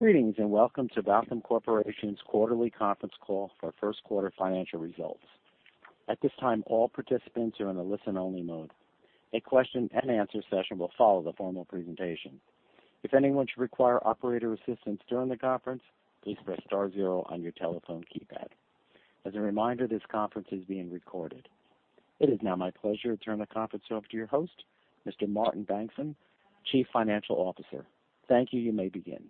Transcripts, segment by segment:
Greetings, and welcome to Balchem Corporation's quarterly conference call for first quarter financial results. At this time, all participants are in a listen-only mode. A question and answer session will follow the formal presentation. If anyone should require operator assistance during the conference, please press star zero on your telephone keypad. As a reminder, this conference is being recorded. It is now my pleasure to turn the conference over to your host, Mr. Martin Bengtsson, Chief Financial Officer. Thank you. You may begin.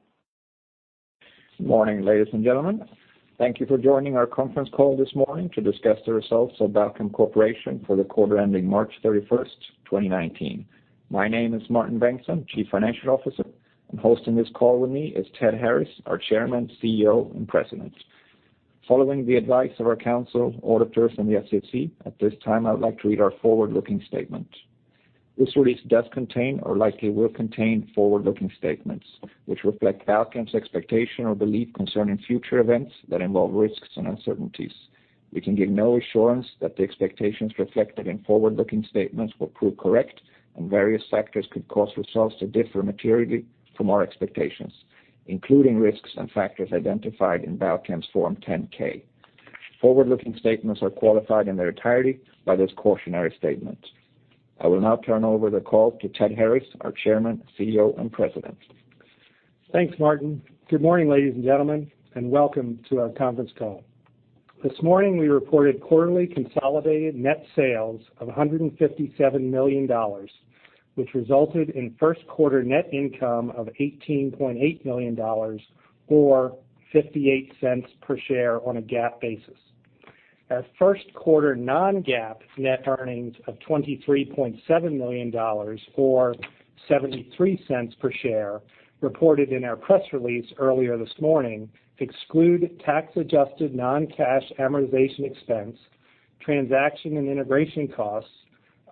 Morning, ladies and gentlemen. Thank you for joining our conference call this morning to discuss the results of Balchem Corporation for the quarter ending March 31st, 2019. My name is Martin Bengtsson, Chief Financial Officer, and hosting this call with me is Ted Harris, our Chairman, CEO, and President. Following the advice of our counsel, auditors, and the SEC, at this time I would like to read our forward-looking statement. This release does contain or likely will contain forward-looking statements which reflect Balchem's expectation or belief concerning future events that involve risks and uncertainties. We can give no assurance that the expectations reflected in forward-looking statements will prove correct, and various factors could cause results to differ materially from our expectations, including risks and factors identified in Balchem's Form 10-K. Forward-looking statements are qualified in their entirety by this cautionary statement. I will now turn over the call to Ted Harris, our Chairman, CEO, and President. Thanks, Martin. Good morning, ladies and gentlemen, and welcome to our conference call. This morning, we reported quarterly consolidated net sales of $157 million, which resulted in first quarter net income of $18.8 million, or $0.58 per share on a GAAP basis. Our first quarter non-GAAP net earnings of $23.7 million, or $0.73 per share, reported in our press release earlier this morning exclude tax-adjusted non-cash amortization expense, transaction and integration costs,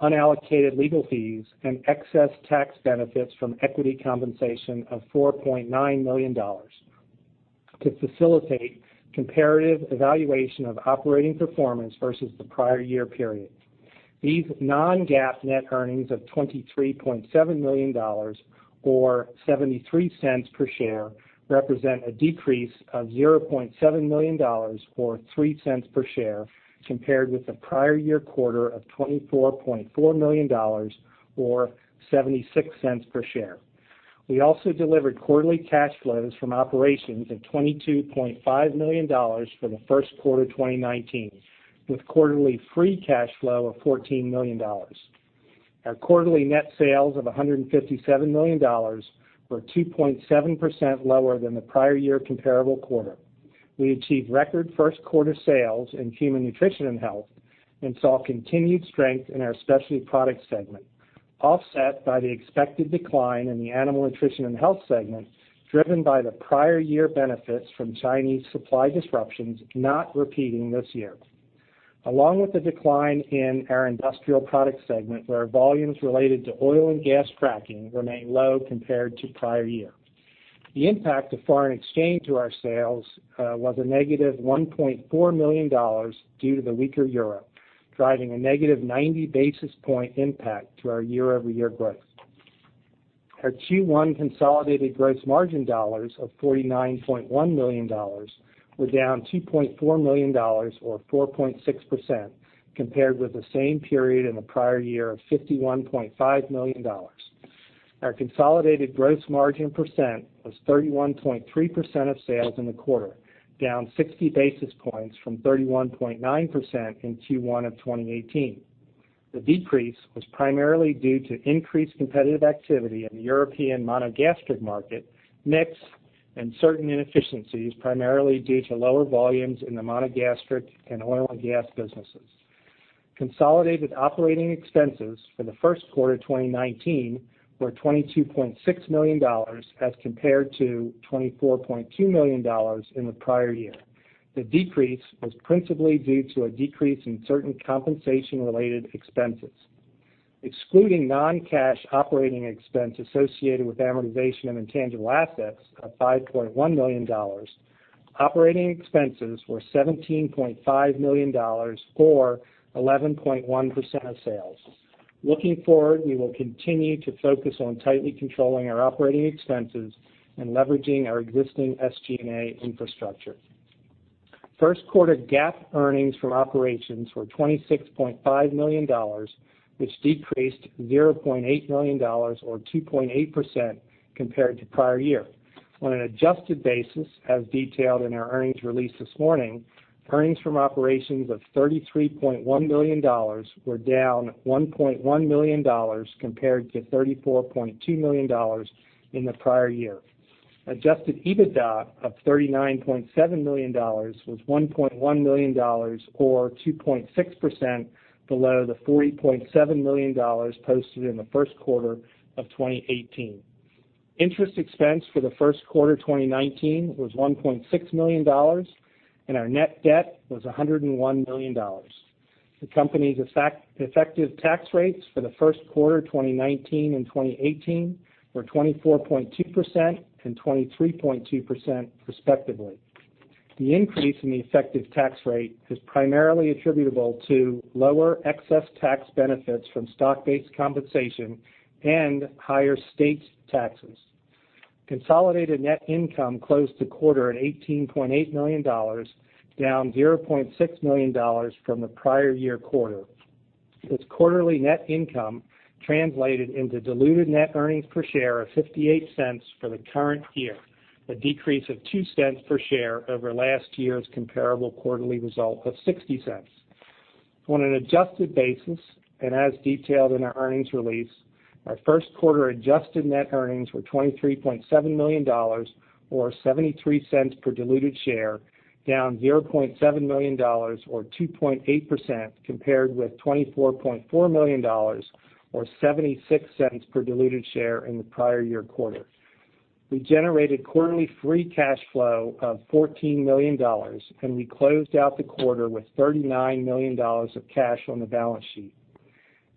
unallocated legal fees, and excess tax benefits from equity compensation of $4.9 million to facilitate comparative evaluation of operating performance versus the prior year period. These non-GAAP net earnings of $23.7 million, or $0.73 per share, represent a decrease of $0.7 million, or $0.03 per share, compared with the prior year quarter of $24.4 million or $0.76 per share. We also delivered quarterly cash flows from operations of $22.5 million for the first quarter 2019, with quarterly free cash flow of $14 million. Our quarterly net sales of $157 million were 2.7% lower than the prior year comparable quarter. We achieved record first quarter sales in Human Nutrition & Health and saw continued strength in our specialty product segment, offset by the expected decline in the Animal Nutrition & Health segment, driven by the prior year benefits from Chinese supply disruptions not repeating this year. The decline in our industrial product segment, where volumes related to oil and gas fracking remain low compared to prior year. The impact of foreign exchange to our sales was a negative $1.4 million due to the weaker EUR, driving a negative 90-basis-point impact to our year-over-year growth. Our Q1 consolidated gross margin dollars of $49.1 million were down $2.4 million or 4.6% compared with the same period in the prior year of $51.5 million. Our consolidated gross margin percent was 31.3% of sales in the quarter, down 60 basis points from 31.9% in Q1 of 2018. The decrease was primarily due to increased competitive activity in the European monogastric market mix and certain inefficiencies, primarily due to lower volumes in the monogastric and oil and gas businesses. Consolidated operating expenses for the first quarter 2019 were $22.6 million as compared to $24.2 million in the prior year. The decrease was principally due to a decrease in certain compensation-related expenses. Excluding non-cash operating expense associated with amortization of intangible assets of $5.1 million, operating expenses were $17.5 million or 11.1% of sales. Looking forward, we will continue to focus on tightly controlling our operating expenses and leveraging our existing SG&A infrastructure. First quarter GAAP earnings from operations were $26.5 million, which decreased $0.8 million or 2.8% compared to prior year. On an adjusted basis, as detailed in our earnings release this morning, earnings from operations of $33.1 million were down $1.1 million compared to $34.2 million in the prior year. Adjusted EBITDA of $39.7 million was $1.1 million or 2.6% below the $40.7 million posted in the first quarter of 2018. Interest expense for the first quarter 2019 was $1.6 million, and our net debt was $101 million. The company's effective tax rates for the first quarter 2019 and 2018 were 24.2% and 23.2% respectively. The increase in the effective tax rate is primarily attributable to lower excess tax benefits from stock-based compensation and higher state taxes. Consolidated net income closed the quarter at $18.8 million, down $0.6 million from the prior year quarter. This quarterly net income translated into diluted net earnings per share of $0.58 for the current year, a decrease of $0.02 per share over last year's comparable quarterly result of $0.60. On an adjusted basis, as detailed in our earnings release, our first quarter adjusted net earnings were $23.7 million, or $0.73 per diluted share, down $0.7 million or 2.8% compared with $24.4 million or $0.76 per diluted share in the prior year quarter. We generated quarterly free cash flow of $14 million, and we closed out the quarter with $39 million of cash on the balance sheet.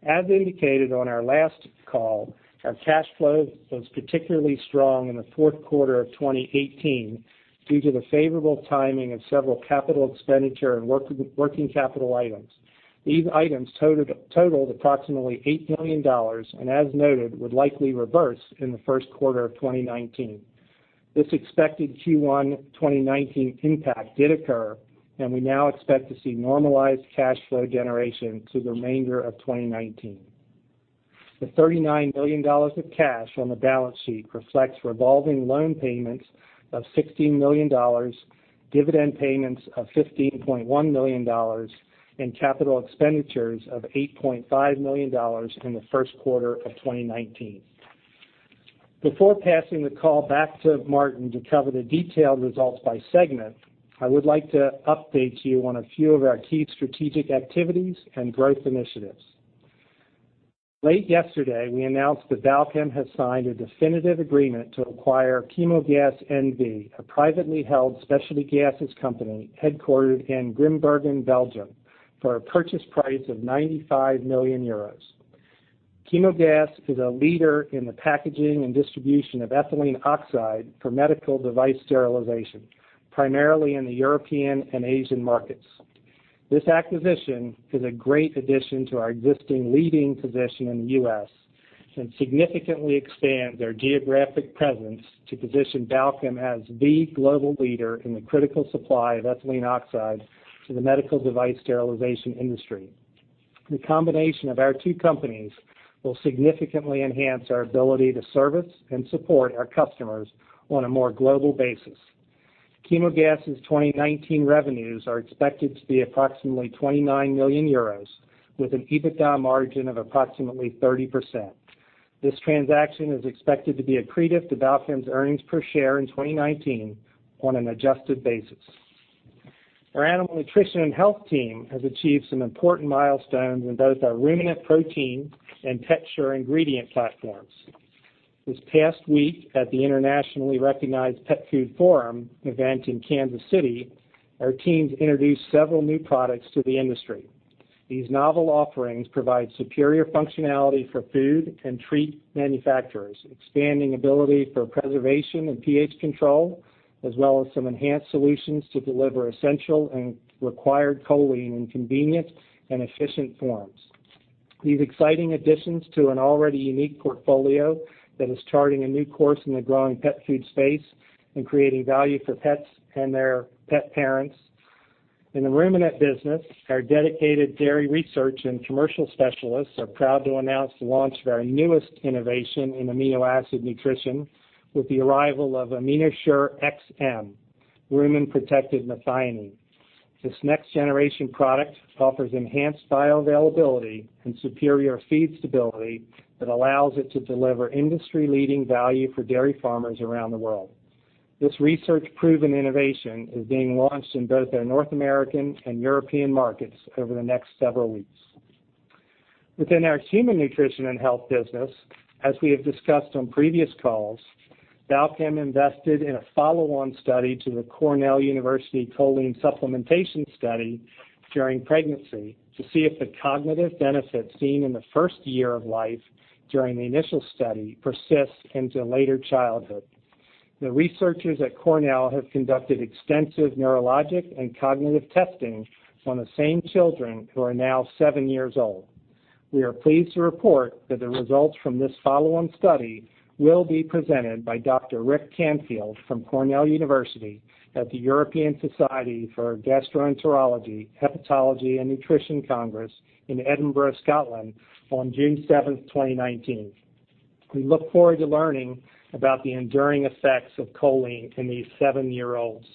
As indicated on our last call, our cash flow was particularly strong in the fourth quarter of 2018 due to the favorable timing of several capital expenditure and working capital items. These items totaled approximately $8 million and, as noted, would likely reverse in the first quarter of 2019. This expected Q1 2019 impact did occur, and we now expect to see normalized cash flow generation through the remainder of 2019. The $39 million of cash on the balance sheet reflects revolving loan payments of $16 million, dividend payments of $15.1 million, and capital expenditures of $8.5 million in the first quarter of 2019. Before passing the call back to Martin to cover the detailed results by segment, I would like to update you on a few of our key strategic activities and growth initiatives. Late yesterday, we announced that Balchem has signed a definitive agreement to acquire Chemogas NV, a privately held specialty gases company headquartered in Grimbergen, Belgium, for a purchase price of €95 million. Chemogas is a leader in the packaging and distribution of ethylene oxide for medical device sterilization, primarily in the European and Asian markets. This acquisition is a great addition to our existing leading position in the U.S. and significantly expands our geographic presence to position Balchem as the global leader in the critical supply of ethylene oxide to the medical device sterilization industry. The combination of our two companies will significantly enhance our ability to service and support our customers on a more global basis. Chemogas's 2019 revenues are expected to be approximately €29 million, with an EBITDA margin of approximately 30%. This transaction is expected to be accretive to Balchem's earnings per share in 2019 on an adjusted basis. Our animal nutrition and health team has achieved some important milestones in both our ruminant protein and PetShure ingredient platforms. This past week at the internationally recognized Petfood Forum event in Kansas City, our teams introduced several new products to the industry. These novel offerings provide superior functionality for food and treat manufacturers, expanding ability for preservation and pH control, as well as some enhanced solutions to deliver essential and required choline in convenient and efficient forms. These exciting additions to an already unique portfolio that is charting a new course in the growing pet food space and creating value for pets and their pet parents. In the ruminant business, our dedicated dairy research and commercial specialists are proud to announce the launch of our newest innovation in amino acid nutrition with the arrival of AminoShure-XM, rumen-protected methionine. This next-generation product offers enhanced bioavailability and superior feed stability that allows it to deliver industry-leading value for dairy farmers around the world. This research-proven innovation is being launched in both our North American and European markets over the next several weeks. Within our human nutrition and health business, as we have discussed on previous calls, Balchem invested in a follow-on study to the Cornell University choline supplementation study during pregnancy to see if the cognitive benefits seen in the first year of life during the initial study persist into later childhood. The researchers at Cornell have conducted extensive neurologic and cognitive testing on the same children who are now seven years old. We are pleased to report that the results from this follow-on study will be presented by Dr. Rick Canfield from Cornell University at the European Society for Paediatric Gastroenterology, Hepatology and Nutrition Congress in Edinburgh, Scotland, on June 7th, 2019. We look forward to learning about the enduring effects of choline in these seven-year-olds.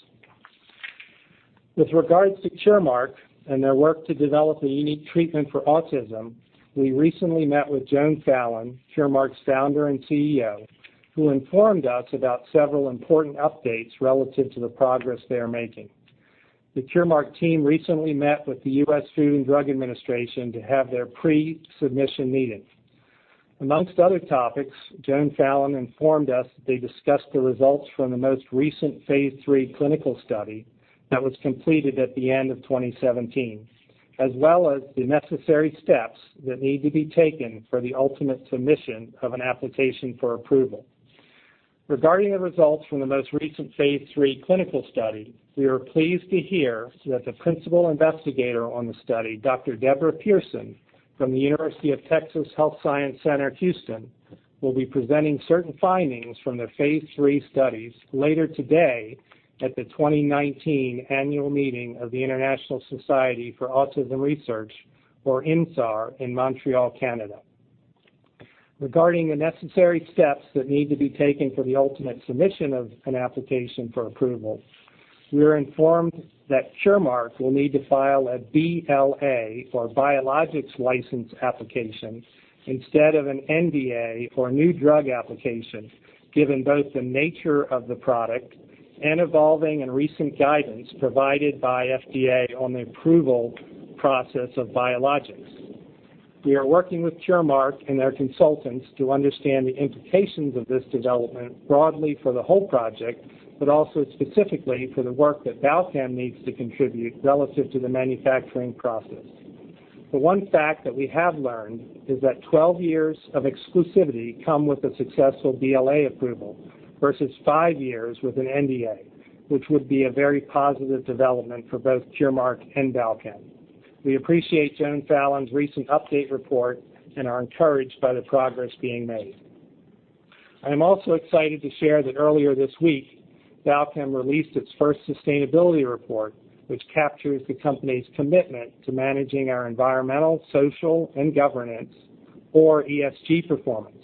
With regards to Curemark and their work to develop a unique treatment for autism, we recently met with Joan Fallon, Curemark's founder and CEO, who informed us about several important updates relative to the progress they are making. The Curemark team recently met with the U.S. Food and Drug Administration to have their pre-submission meeting. Amongst other topics, Joan Fallon informed us they discussed the results from the most recent phase III clinical study that was completed at the end of 2017, as well as the necessary steps that need to be taken for the ultimate submission of an application for approval. Regarding the results from the most recent phase III clinical study, we are pleased to hear that the principal investigator on the study, Dr. Deborah Pearson from the University of Texas Health Science Center, Houston, will be presenting certain findings from the phase III studies later today at the 2019 annual meeting of the International Society for Autism Research, or INSAR, in Montreal, Canada. Regarding the necessary steps that need to be taken for the ultimate submission of an application for approval, we are informed that Curemark will need to file a BLA, or biologics license application, instead of an NDA, or a new drug application, given both the nature of the product and evolving and recent guidance provided by FDA on the approval process of biologics. We are working with Curemark and their consultants to understand the implications of this development broadly for the whole project, but also specifically for the work that Balchem needs to contribute relative to the manufacturing process. The one fact that we have learned is that 12 years of exclusivity come with a successful BLA approval versus five years with an NDA, which would be a very positive development for both Curemark and Balchem. We appreciate Joan Fallon's recent update report and are encouraged by the progress being made. I'm also excited to share that earlier this week, Balchem released its first sustainability report, which captures the company's commitment to managing our environmental, social, and governance, or ESG, performance.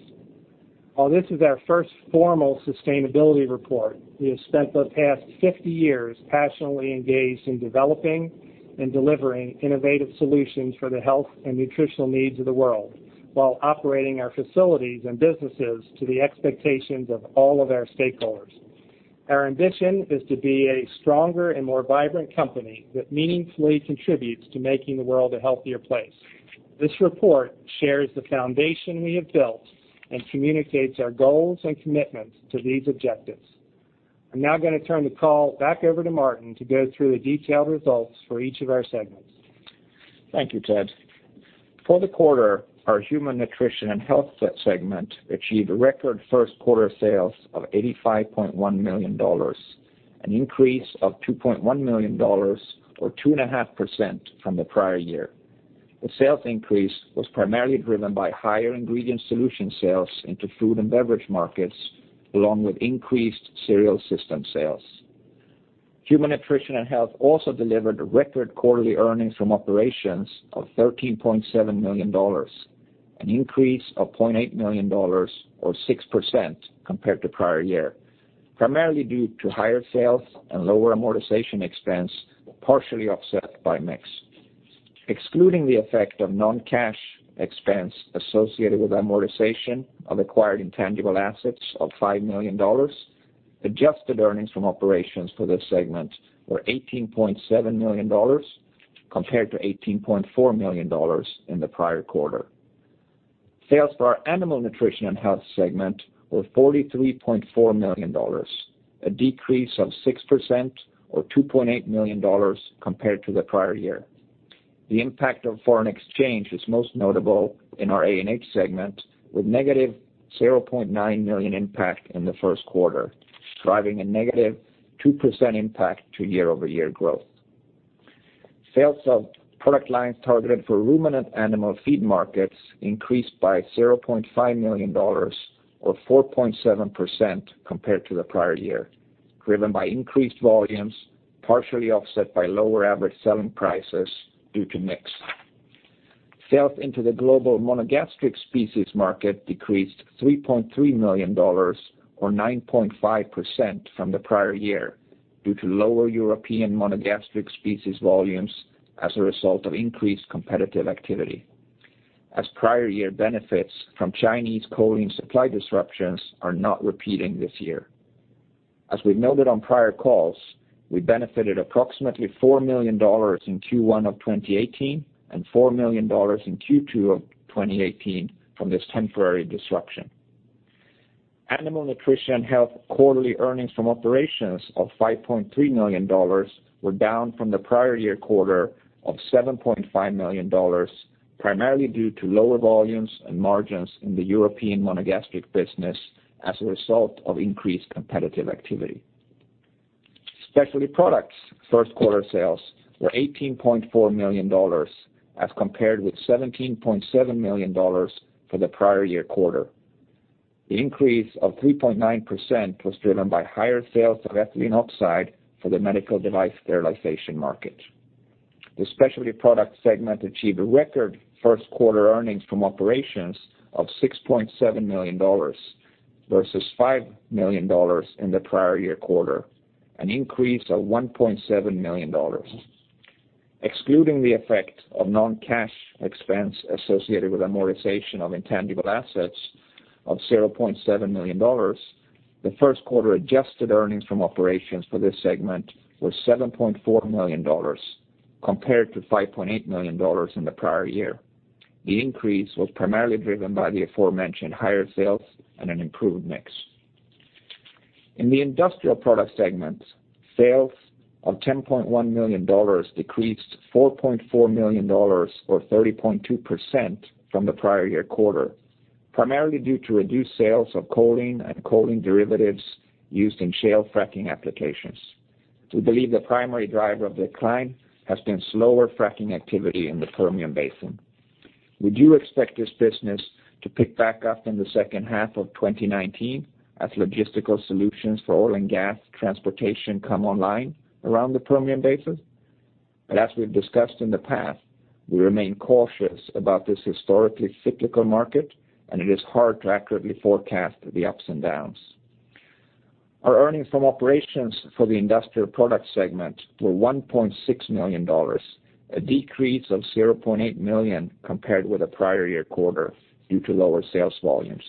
While this is our first formal sustainability report, we have spent the past 50 years passionately engaged in developing and delivering innovative solutions for the health and nutritional needs of the world while operating our facilities and businesses to the expectations of all of our stakeholders. Our ambition is to be a stronger and more vibrant company that meaningfully contributes to making the world a healthier place. This report shares the foundation we have built and communicates our goals and commitments to these objectives. I'm now going to turn the call back over to Martin to go through the detailed results for each of our segments. Thank you, Ted. For the quarter, our Human Nutrition and Health segment achieved a record first quarter sales of $85.1 million, an increase of $2.1 million or 2.5% from the prior year. The sales increase was primarily driven by higher ingredient solution sales into food and beverage markets, along with increased cereal system sales. Human Nutrition and Health also delivered record quarterly earnings from operations of $13.7 million, an increase of $0.8 million or 6% compared to prior year, primarily due to higher sales and lower amortization expense, partially offset by mix. Excluding the effect of non-cash expense associated with amortization of acquired intangible assets of $5 million, adjusted earnings from operations for this segment were $18.7 million compared to $18.4 million in the prior quarter. Sales for our Animal Nutrition and Health segment were $43.4 million, a decrease of 6% or $2.8 million compared to the prior year. The impact of foreign exchange is most notable in our ANH segment, with negative $0.9 million impact in the first quarter, driving a negative 2% impact to year-over-year growth. Sales of product lines targeted for ruminant animal feed markets increased by $0.5 million or 4.7% compared to the prior year, driven by increased volumes, partially offset by lower average selling prices due to mix. Sales into the global monogastric species market decreased $3.3 million or 9.5% from the prior year due to lower European monogastric species volumes as a result of increased competitive activity, as prior year benefits from Chinese choline supply disruptions are not repeating this year. As we've noted on prior calls, we benefited approximately $4 million in Q1 of 2018 and $4 million in Q2 of 2018 from this temporary disruption. Animal Nutrition and Health quarterly earnings from operations of $5.3 million were down from the prior year quarter of $7.5 million, primarily due to lower volumes and margins in the European monogastric business as a result of increased competitive activity. Specialty Products first quarter sales were $18.4 million as compared with $17.7 million for the prior year quarter. The increase of 3.9% was driven by higher sales of ethylene oxide for the medical device sterilization market. The Specialty Products segment achieved a record first quarter earnings from operations of $6.7 million versus $5 million in the prior year quarter, an increase of $1.7 million. Excluding the effect of non-cash expense associated with amortization of intangible assets of $0.7 million, the first quarter adjusted earnings from operations for this segment were $7.4 million compared to $5.8 million in the prior year. The increase was primarily driven by the aforementioned higher sales and an improved mix. In the industrial product segment, sales of $10.1 million decreased $4.4 million or 30.2% from the prior year quarter, primarily due to reduced sales of choline and choline derivatives used in shale fracking applications. We believe the primary driver of decline has been slower fracking activity in the Permian Basin. We do expect this business to pick back up in the second half of 2019 as logistical solutions for oil and gas transportation come online around the Permian Basin. As we've discussed in the past, we remain cautious about this historically cyclical market, and it is hard to accurately forecast the ups and downs. Our earnings from operations for the industrial product segment were $1.6 million, a decrease of $0.8 million compared with the prior year quarter due to lower sales volumes.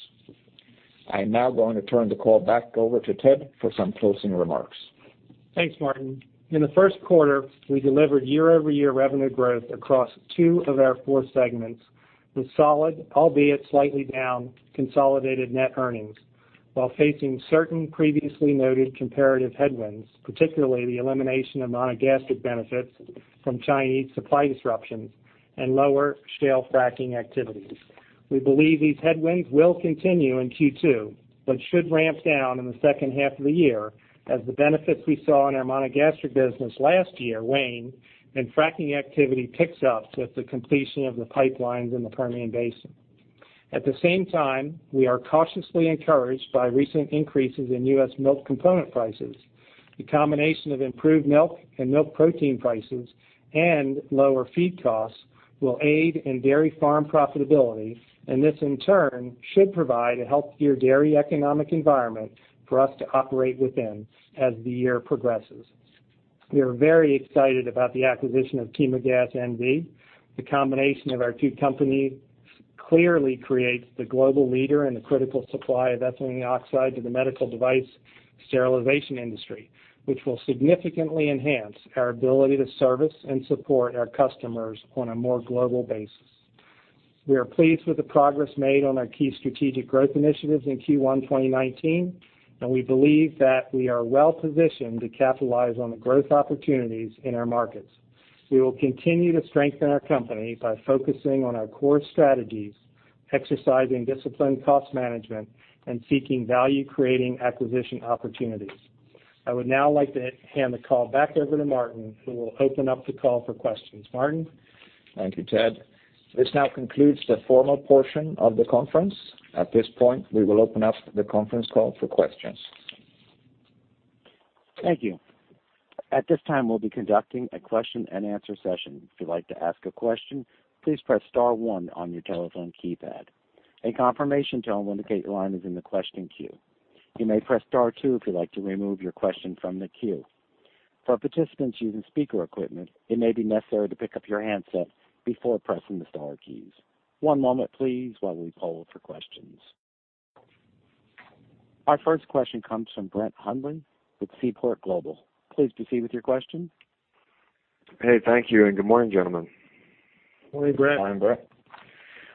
I'm now going to turn the call back over to Ted for some closing remarks. Thanks, Martin. In the first quarter, we delivered year-over-year revenue growth across two of our four segments with solid, albeit slightly down, consolidated net earnings while facing certain previously noted comparative headwinds, particularly the elimination of monogastric benefits from Chinese supply disruptions and lower shale fracking activities. We believe these headwinds will continue in Q2, but should ramp down in the second half of the year as the benefits we saw in our monogastric business last year wane and fracking activity picks up with the completion of the pipelines in the Permian Basin. At the same time, we are cautiously encouraged by recent increases in U.S. milk component prices. The combination of improved milk and milk protein prices and lower feed costs will aid in dairy farm profitability, and this in turn should provide a healthier dairy economic environment for us to operate within as the year progresses. We are very excited about the acquisition of Chemogas NV. The combination of our two companies clearly creates the global leader in the critical supply of ethylene oxide to the medical device sterilization industry, which will significantly enhance our ability to service and support our customers on a more global basis. We are pleased with the progress made on our key strategic growth initiatives in Q1 2019. We believe that we are well-positioned to capitalize on the growth opportunities in our markets. We will continue to strengthen our company by focusing on our core strategies, exercising disciplined cost management, and seeking value-creating acquisition opportunities. I would now like to hand the call back over to Martin, who will open up the call for questions. Martin? Thank you, Ted. This now concludes the formal portion of the conference. At this point, we will open up the conference call for questions. Thank you. At this time, we'll be conducting a question and answer session. If you'd like to ask a question, please press star one on your telephone keypad. A confirmation tone will indicate your line is in the question queue. You may press star two if you'd like to remove your question from the queue. For participants using speaker equipment, it may be necessary to pick up your handset before pressing the star keys. One moment, please, while we poll for questions. Our first question comes from Brett Hundley with Seaport Global. Please proceed with your question. Hey, thank you and good morning, gentlemen. Morning, Brett. Morning, Brett.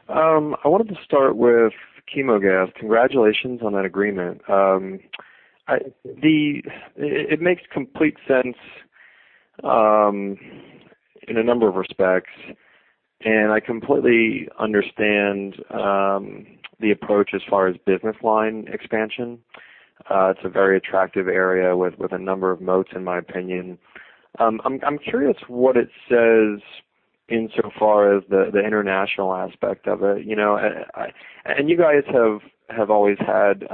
I wanted to start with Chemogas. Congratulations on that agreement. It makes complete sense in a number of respects, and I completely understand the approach as far as business line expansion. It's a very attractive area with a number of moats in my opinion. I'm curious what it says insofar as the international aspect of it. You guys have always had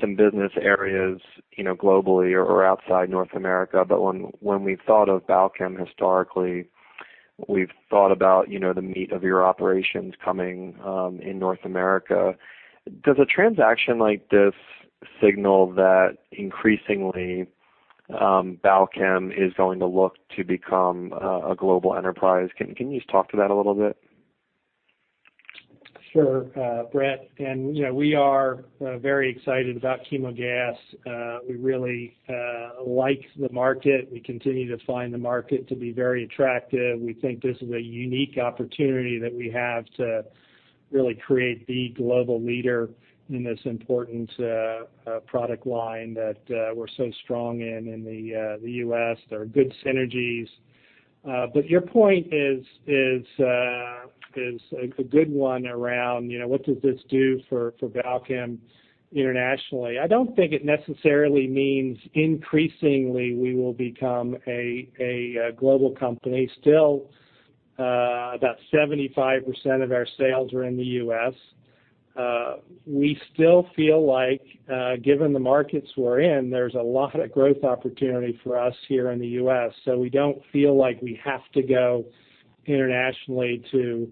some business areas globally or outside North America. When we've thought of Balchem historically, we've thought about the meat of your operations coming in North America. Does a transaction like this signal that increasingly Balchem is going to look to become a global enterprise? Can you just talk to that a little bit? Sure, Brett, we are very excited about Chemogas. We really like the market. We continue to find the market to be very attractive. We think this is a unique opportunity that we have to really create the global leader in this important product line that we're so strong in the U.S. There are good synergies. Your point is a good one around what does this do for Balchem internationally. I don't think it necessarily means increasingly we will become a global company. Still, about 75% of our sales are in the U.S. We still feel like given the markets we're in, there's a lot of growth opportunity for us here in the U.S., so we don't feel like we have to go internationally to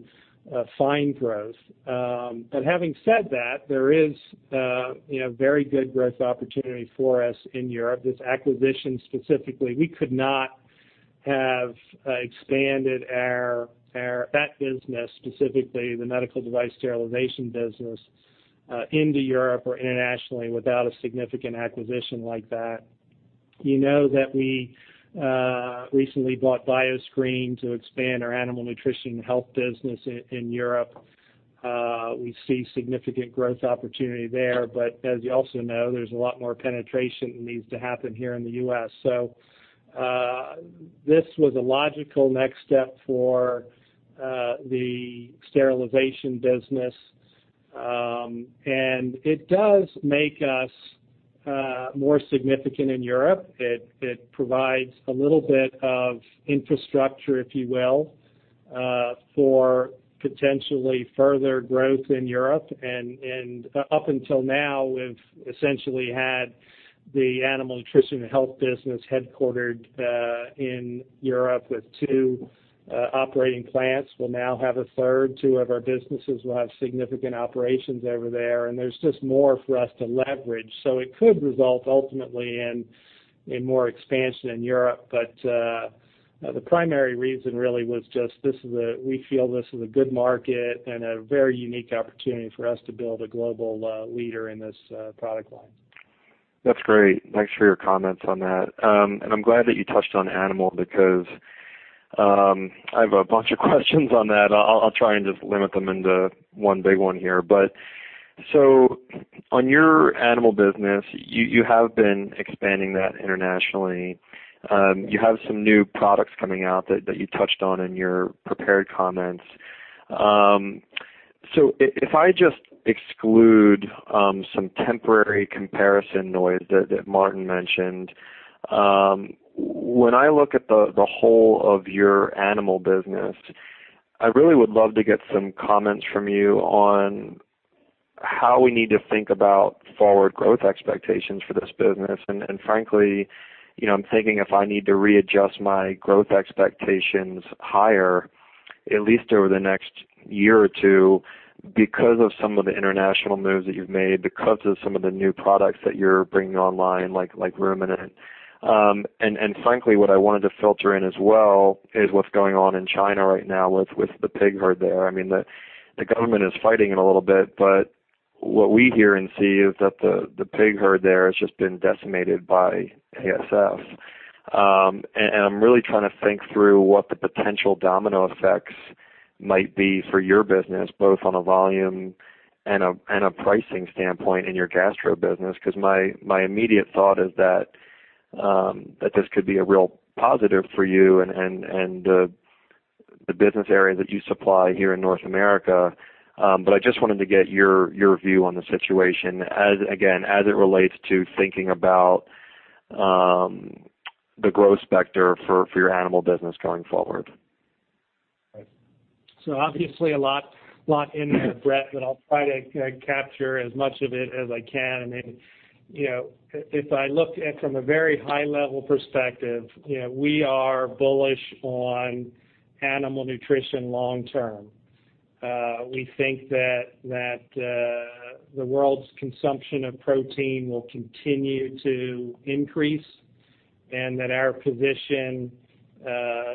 find growth. Having said that, there is very good growth opportunity for us in Europe. This acquisition specifically, we could not have expanded our vet business, specifically the medical device sterilization business, into Europe or internationally without a significant acquisition like that. You know that we recently bought Bioscreen to expand our animal nutrition health business in Europe. We see significant growth opportunity there. As you also know, there's a lot more penetration that needs to happen here in the U.S. This was a logical next step for the sterilization business. It does make us more significant in Europe. It provides a little bit of infrastructure, if you will, for potentially further growth in Europe. Up until now, we've essentially had the animal nutrition and health business headquartered in Europe with two operating plants. We'll now have a third. Two of our businesses will have significant operations over there, and there's just more for us to leverage. It could result ultimately in more expansion in Europe. The primary reason really was just we feel this is a good market and a very unique opportunity for us to build a global leader in this product line. That's great. Thanks for your comments on that. I'm glad that you touched on animal, because I have a bunch of questions on that. I'll try and just limit them into one big one here. On your animal business, you have been expanding that internationally. You have some new products coming out that you touched on in your prepared comments. If I just exclude some temporary comparison noise that Martin mentioned, when I look at the whole of your animal business, I really would love to get some comments from you on how we need to think about forward growth expectations for this business. Frankly, I'm thinking if I need to readjust my growth expectations higher, at least over the next year or two, because of some of the international moves that you've made, because of some of the new products that you're bringing online, like ruminant. Frankly, what I wanted to filter in as well is what's going on in China right now with the pig herd there. The government is fighting it a little bit, but what we hear and see is that the pig herd there has just been decimated by ASF. I'm really trying to think through what the potential domino effects might be for your business, both on a volume and a pricing standpoint in your gastro business. Because my immediate thought is that this could be a real positive for you and the business areas that you supply here in North America. I just wanted to get your view on the situation as, again, as it relates to thinking about the growth specter for your animal business going forward. Obviously, a lot in that breadth, but I'll try to capture as much of it as I can. If I look at from a very high-level perspective, we are bullish on animal nutrition long term. We think that the world's consumption of protein will continue to increase, and that our position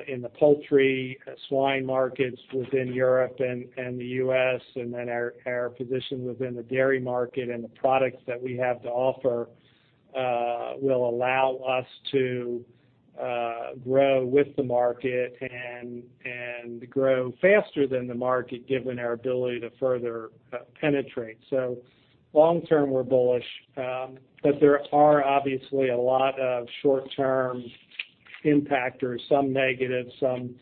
in the poultry, swine markets within Europe and the U.S., and then our position within the dairy market and the products that we have to offer, will allow us to grow with the market and grow faster than the market given our ability to further penetrate. Long term, we're bullish. There are obviously a lot of short-term impactors, some negative, some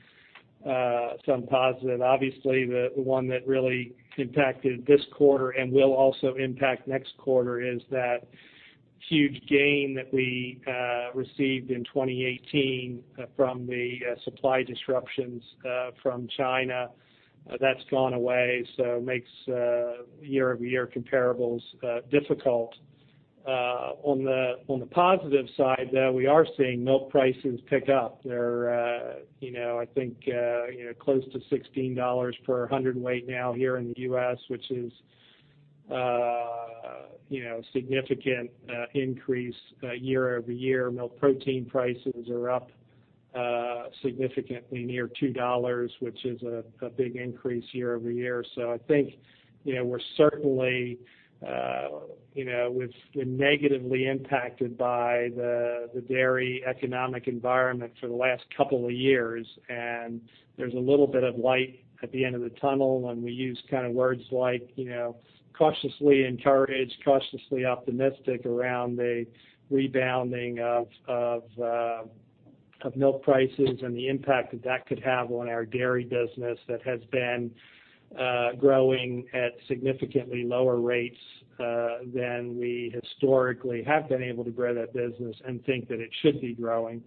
positive. Obviously, the one that really impacted this quarter and will also impact next quarter is that huge gain that we received in 2018 from the supply disruptions from China. That's gone away, so it makes year-over-year comparables difficult. On the positive side, though, we are seeing milk prices pick up. They're, I think, close to $16 per 100 weight now here in the U.S., which is a significant increase year-over-year. Milk protein prices are up significantly, near $2, which is a big increase year-over-year. I think we've been negatively impacted by the dairy economic environment for the last couple of years, and there's a little bit of light at the end of the tunnel when we use kind of words like cautiously encouraged, cautiously optimistic around the rebounding of milk prices and the impact that that could have on our dairy business that has been growing at significantly lower rates than we historically have been able to grow that business and think that it should be growing.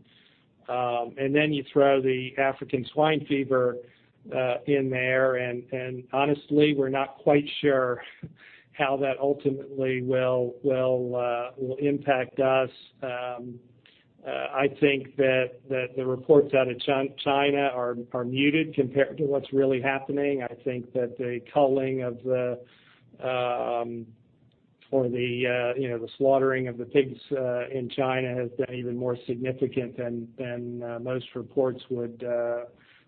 You throw the African swine fever in there, and honestly, we're not quite sure how that ultimately will impact us. I think that the reports out of China are muted compared to what's really happening. I think that the slaughtering of the pigs in China has been even more significant than most reports would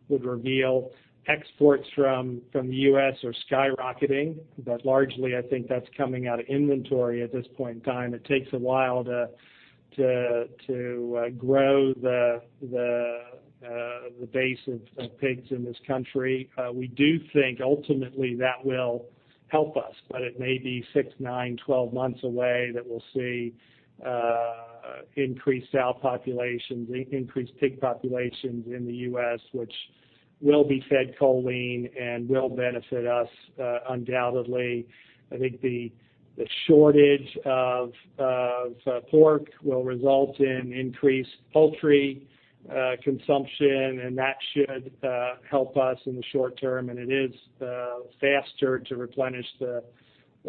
reveal. Exports from the U.S. are skyrocketing, but largely, I think that's coming out of inventory at this point in time. It takes a while to grow the base of pigs in this country. We do think ultimately that will help us, but it may be six, nine, 12 months away that we'll see increased sow populations, increased pig populations in the U.S., which will be fed choline and will benefit us undoubtedly. I think the shortage of pork will result in increased poultry consumption, and that should help us in the short term, and it is faster to replenish the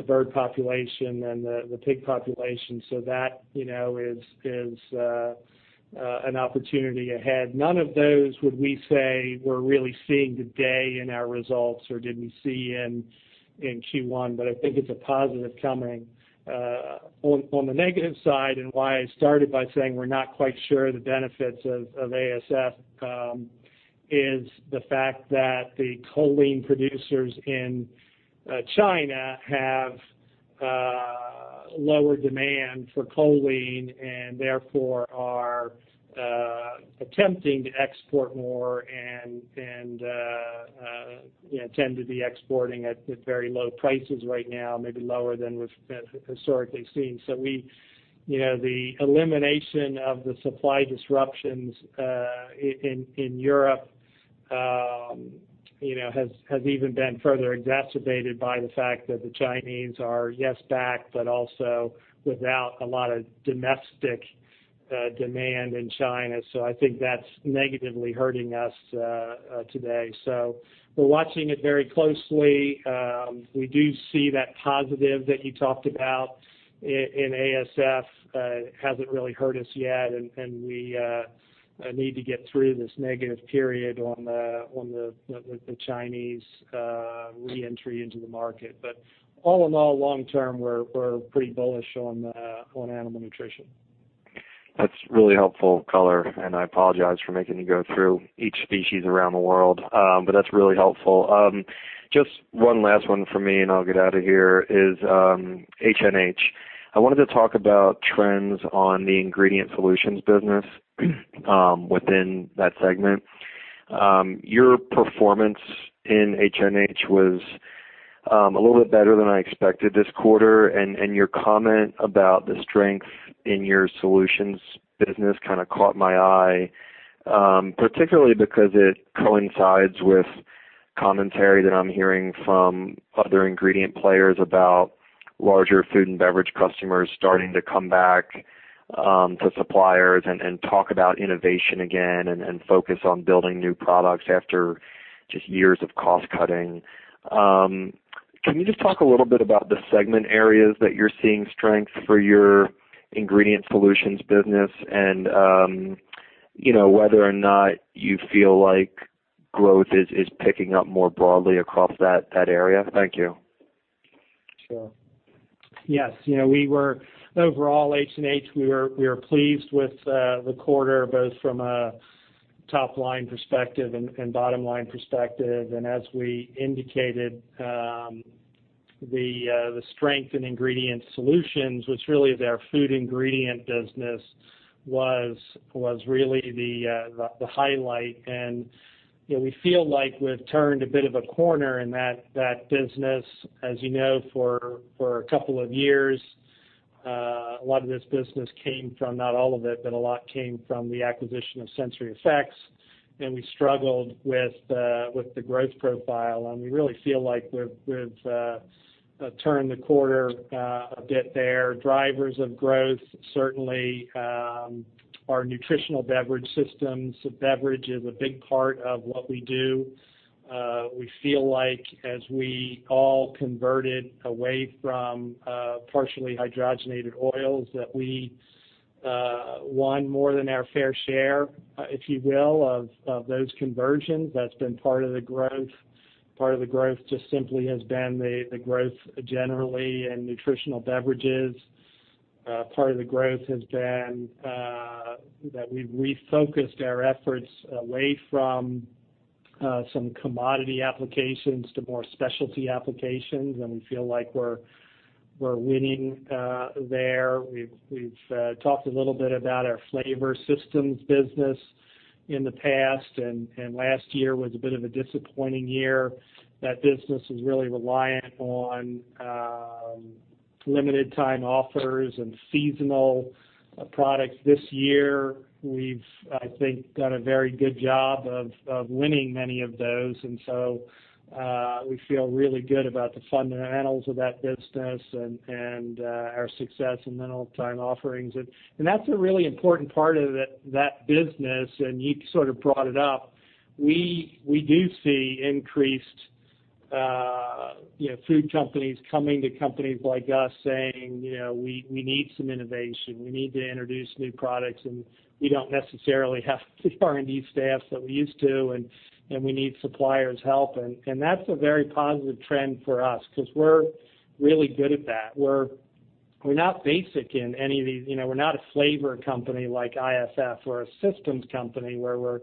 bird population than the pig population. That is an opportunity ahead. None of those would we say we're really seeing today in our results or did we see in Q1, but I think it's a positive coming. On the negative side, and why I started by saying we're not quite sure the benefits of ASF, is the fact that the choline producers in China have lower demand for choline and therefore are attempting to export more and tend to be exporting at very low prices right now, maybe lower than we've historically seen. The elimination of the supply disruptions in Europe has even been further exacerbated by the fact that the Chinese are, yes, back, but also without a lot of domestic demand in China. I think that's negatively hurting us today. We're watching it very closely. We do see that positive that you talked about in ASF. It hasn't really hurt us yet, and we need to get through this negative period on the Chinese re-entry into the market. All in all, long term, we're pretty bullish on animal nutrition. That's really helpful color, I apologize for making you go through each species around the world. That's really helpful. Just one last one from me and I'll get out of here is HNH. I wanted to talk about trends on the ingredient solutions business within that segment. Your performance in HNH was a little bit better than I expected this quarter, and your comment about the strength in your solutions business caught my eye, particularly because it coincides with commentary that I'm hearing from other ingredient players about larger food and beverage customers starting to come back to suppliers and talk about innovation again and focus on building new products after just years of cost cutting. Can you just talk a little bit about the segment areas that you're seeing strength for your ingredient solutions business and whether or not you feel like growth is picking up more broadly across that area? Thank you. Sure. Yes. Overall HNH, we are pleased with the quarter, both from a top line perspective and bottom line perspective. As we indicated, the strength in ingredient solutions, which really is our food ingredient business, was really the highlight. We feel like we've turned a bit of a corner in that business. As you know, for a couple of years, a lot of this business came from, not all of it, but a lot came from the acquisition of SensoryEffects, we struggled with the growth profile, and we really feel like we've turned the corner a bit there. Drivers of growth, certainly our nutritional beverage systems. Beverage is a big part of what we do. We feel like as we all converted away from partially hydrogenated oils, that we won more than our fair share, if you will, of those conversions. That's been part of the growth. Part of the growth just simply has been the growth generally in nutritional beverages. Part of the growth has been that we've refocused our efforts away from some commodity applications to more specialty applications. We feel like we're winning there. We've talked a little bit about our flavor systems business in the past. Last year was a bit of a disappointing year. That business is really reliant on limited time offers and seasonal products. This year, we've, I think, done a very good job of winning many of those. We feel really good about the fundamentals of that business and our success in limited time offerings. That's a really important part of that business, and you sort of brought it up. We do see increased food companies coming to companies like us saying, "We need some innovation. We need to introduce new products. We don't necessarily have the R&D staff that we used to, and we need suppliers' help." That's a very positive trend for us because we're really good at that. We're not basic in any of these. We're not a flavor company like IFF. We're a systems company where we're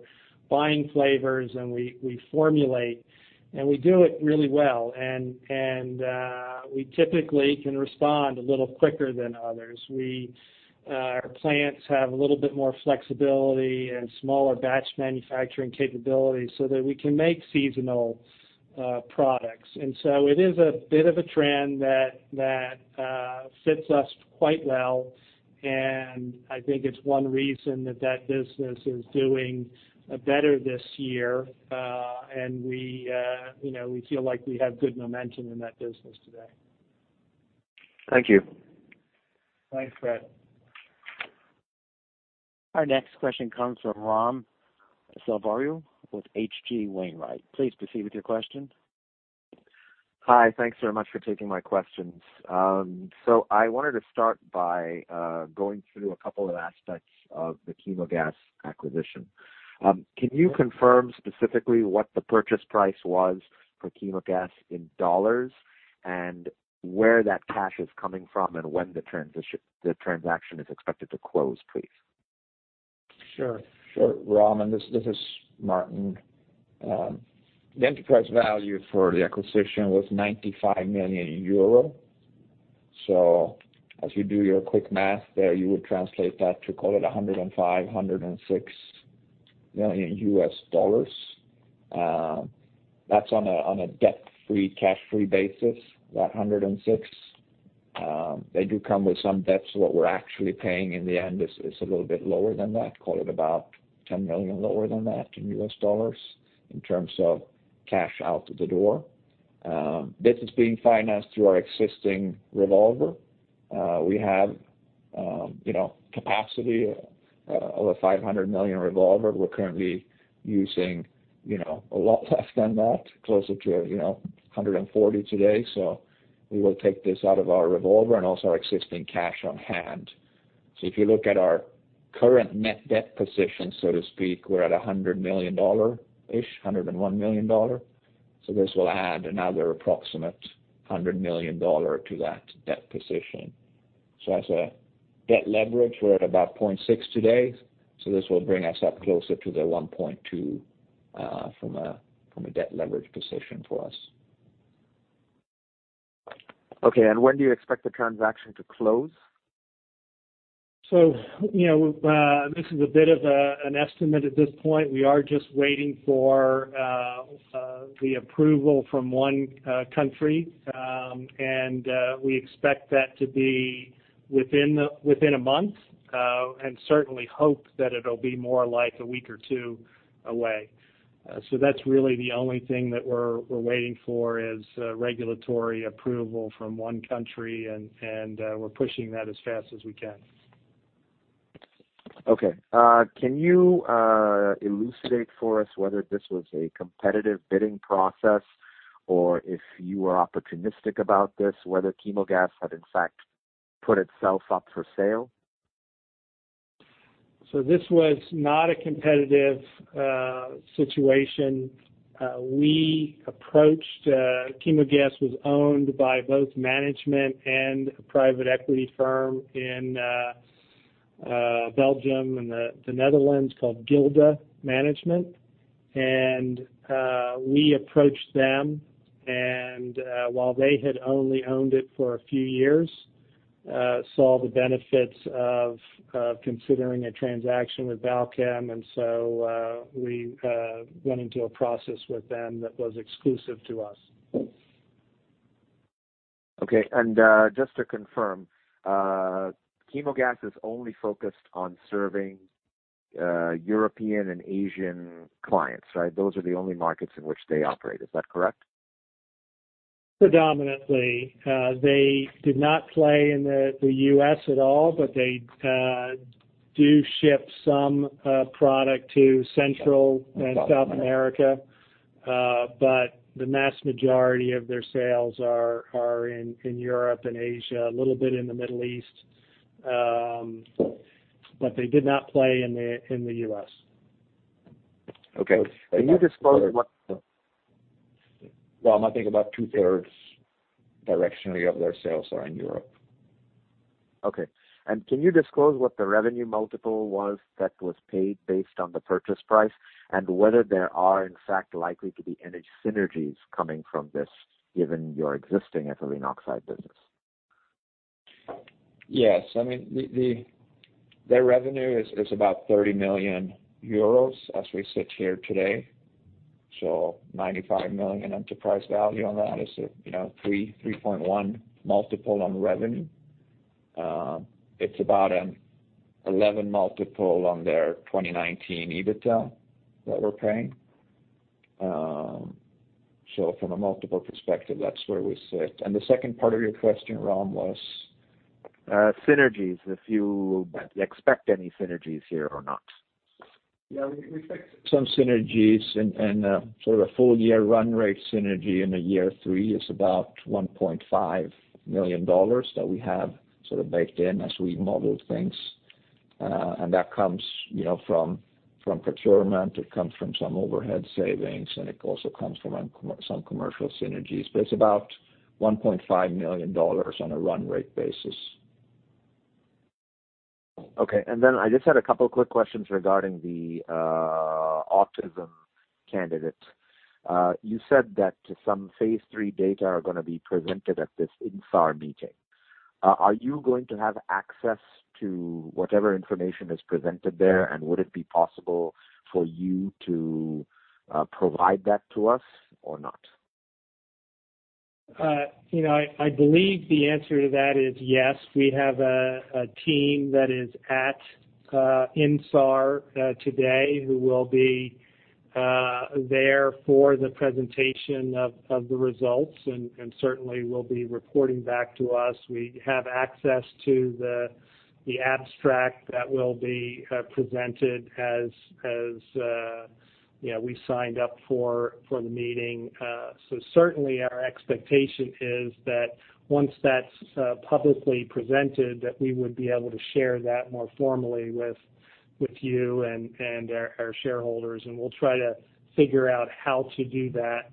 buying flavors, and we formulate, and we do it really well. We typically can respond a little quicker than others. Our plants have a little bit more flexibility and smaller batch manufacturing capabilities so that we can make seasonal products. It is a bit of a trend that fits us quite well, and I think it's one reason that that business is doing better this year. We feel like we have good momentum in that business today. Thank you. Thanks, Brett. Our next question comes from Raghuram Selvaraju with H.C. Wainwright. Please proceed with your question. Hi. Thanks very much for taking my questions. I wanted to start by going through a couple of aspects of the Chemogas acquisition. Can you confirm specifically what the purchase price was for Chemogas in dollars and where that cash is coming from, and when the transaction is expected to close, please? Sure. Sure, Ram, this is Martin. The enterprise value for the acquisition was €95 million. As you do your quick math there, you would translate that to call it $105 million-$106 million. That's on a debt-free, cash-free basis, that $106 million. They do come with some debts, so what we're actually paying in the end is a little bit lower than that. Call it about $10 million lower than that in terms of cash out the door. This is being financed through our existing revolver. We have capacity of a $500 million revolver. We're currently using a lot less than that, closer to $140 million today. We will take this out of our revolver and also our existing cash on hand. If you look at our current net debt position, so to speak, we're at $100 million-ish, $101 million. This will add another approximate $100 million to that debt position. As a debt leverage, we're at about 0.6 today, this will bring us up closer to the 1.2, from a debt leverage position for us. Okay, when do you expect the transaction to close? This is a bit of an estimate at this point. We are just waiting for the approval from one country. We expect that to be within a month, and certainly hope that it'll be more like a week or two away. That's really the only thing that we're waiting for is regulatory approval from one country, and we're pushing that as fast as we can. Okay. Can you elucidate for us whether this was a competitive bidding process or if you were opportunistic about this, whether Chemogas had in fact, put itself up for sale? This was not a competitive situation. Chemogas was owned by both management and a private equity firm in Belgium and the Netherlands called Gilde Management. We approached them and while they had only owned it for a few years, saw the benefits of considering a transaction with Balchem. We went into a process with them that was exclusive to us. Okay. Just to confirm, Chemogas is only focused on serving European and Asian clients, right? Those are the only markets in which they operate. Is that correct? Predominantly. They did not play in the U.S. at all, but they do ship some product to Central and South America. The mass majority of their sales are in Europe and Asia, a little bit in the Middle East. They did not play in the U.S. Okay. Well, I might think about two-thirds directionally of their sales are in Europe. Okay. Can you disclose what the revenue multiple was that was paid based on the purchase price, and whether there are, in fact, likely to be any synergies coming from this, given your existing ethylene oxide business? Yes. Their revenue is about 30 million euros as we sit here today. $95 million enterprise value on that is a 3.1x multiple on revenue. It's about an 11x multiple on their 2019 EBITDA that we're paying. From a multiple perspective, that's where we sit. The second part of your question, Ram, was? Synergies, if you expect any synergies here or not. Yeah, we expect some synergies, sort of full-year run rate synergy in the year three is about $1.5 million that we have sort of baked in as we model things. That comes from procurement, it comes from some overhead savings, and it also comes from some commercial synergies. It's about $1.5 million on a run rate basis. Okay, I just had a couple quick questions regarding the autism candidate. You said that some phase III data are going to be presented at this INSAR meeting. Are you going to have access to whatever information is presented there, and would it be possible for you to provide that to us or not? I believe the answer to that is yes. We have a team that is at INSAR today who will be there for the presentation of the results and certainly will be reporting back to us. We have access to the abstract that will be presented as we signed up for the meeting. Certainly our expectation is that once that's publicly presented, that we would be able to share that more formally with you and our shareholders, and we'll try to figure out how to do that.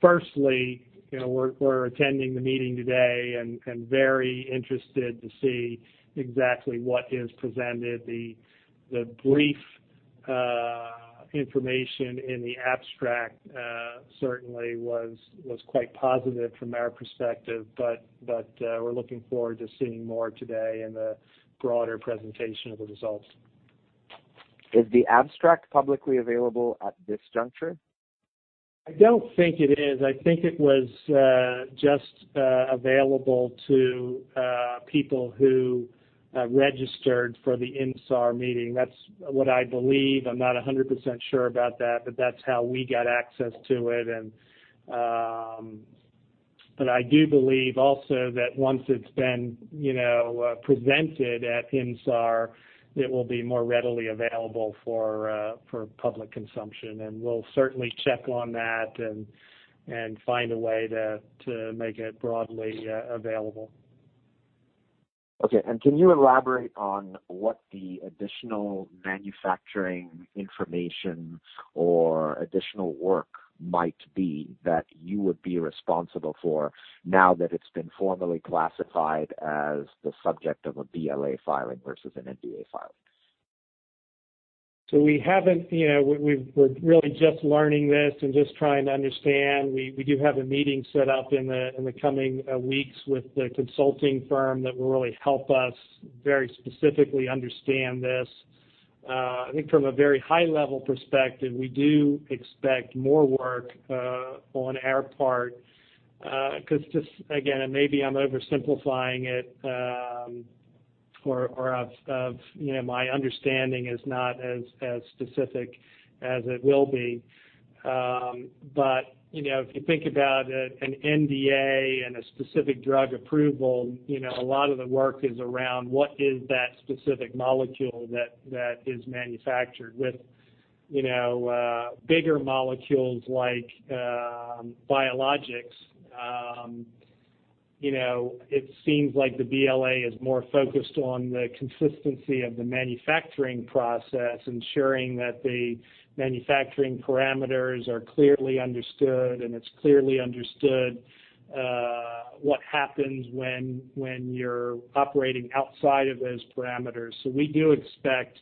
Firstly, we're attending the meeting today and very interested to see exactly what is presented. The brief information in the abstract certainly was quite positive from our perspective, but we're looking forward to seeing more today in the broader presentation of the results. Is the abstract publicly available at this juncture? I don't think it is. I think it was just available to people who registered for the INSAR meeting. That's what I believe. I'm not 100% sure about that, but that's how we got access to it. I do believe also that once it's been presented at INSAR, it will be more readily available for public consumption, and we'll certainly check on that and find a way to make it broadly available. Okay, can you elaborate on what the additional manufacturing information or additional work might be that you would be responsible for now that it's been formally classified as the subject of a BLA filing versus an NDA filing? We're really just learning this and just trying to understand. We do have a meeting set up in the coming weeks with the consulting firm that will really help us very specifically understand this. I think from a very high level perspective, we do expect more work on our part, because just, again, and maybe I'm oversimplifying it, or my understanding is not as specific as it will be. If you think about an NDA and a specific drug approval, a lot of the work is around what is that specific molecule that is manufactured. With bigger molecules like biologics, it seems like the BLA is more focused on the consistency of the manufacturing process, ensuring that the manufacturing parameters are clearly understood, and it's clearly understood what happens when you're operating outside of those parameters. We do expect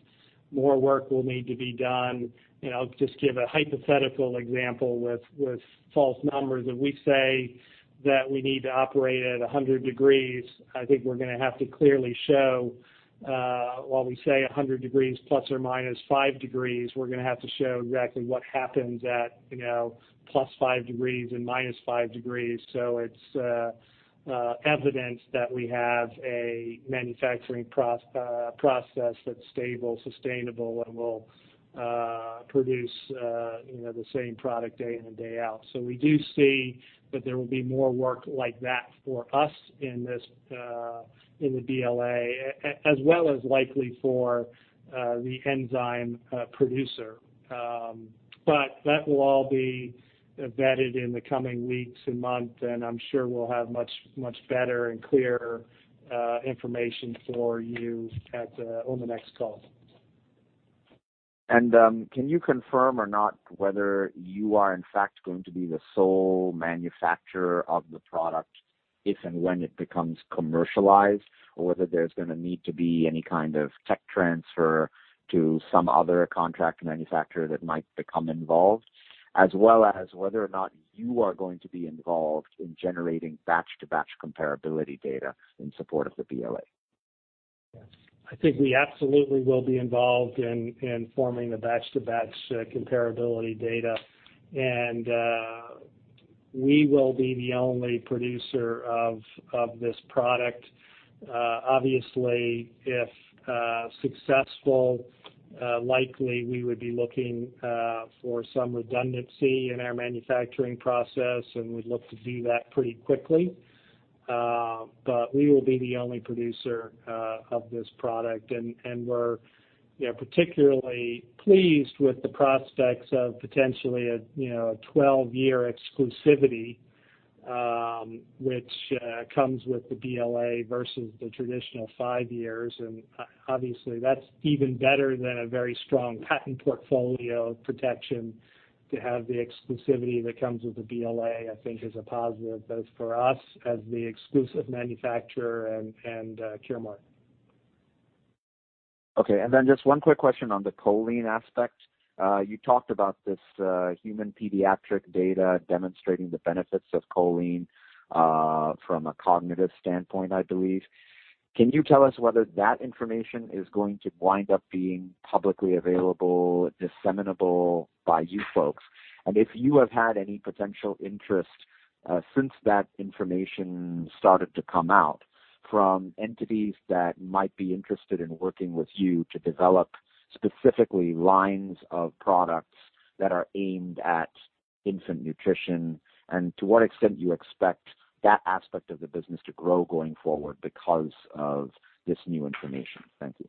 more work will need to be done. I'll just give a hypothetical example with false numbers. If we say that we need to operate at 100 degrees, I think we're going to have to clearly show while we say 100 degrees plus or minus five degrees, we're going to have to show exactly what happens at plus five degrees and minus five degrees. It's evidence that we have a manufacturing process that's stable, sustainable, and will produce the same product day in and day out. We do see that there will be more work like that for us in the BLA, as well as likely for the enzyme producer. That will all be vetted in the coming weeks and months, and I'm sure we'll have much better and clearer information for you on the next call. Can you confirm or not whether you are in fact going to be the sole manufacturer of the product if and when it becomes commercialized, or whether there's going to need to be any kind of tech transfer to some other contract manufacturer that might become involved, as well as whether or not you are going to be involved in generating batch-to-batch comparability data in support of the BLA? I think we absolutely will be involved in forming the batch-to-batch comparability data. We will be the only producer of this product. Obviously, if successful, likely we would be looking for some redundancy in our manufacturing process, and we'd look to do that pretty quickly. We will be the only producer of this product. We're particularly pleased with the prospects of potentially a 12-year exclusivity, which comes with the BLA versus the traditional five years, and obviously that's even better than a very strong patent portfolio protection to have the exclusivity that comes with the BLA, I think is a positive both for us as the exclusive manufacturer and Curemark. Okay. Just one quick question on the choline aspect. You talked about this human pediatric data demonstrating the benefits of choline from a cognitive standpoint, I believe. Can you tell us whether that information is going to wind up being publicly available, disseminable by you folks? If you have had any potential interest since that information started to come out from entities that might be interested in working with you to develop specifically lines of products that are aimed at infant nutrition, and to what extent you expect that aspect of the business to grow going forward because of this new information. Thank you.